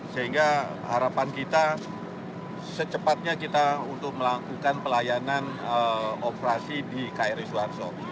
sehingga harapan kita secepatnya kita untuk melakukan pelayanan operasi di kri suharto